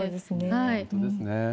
本当ですね。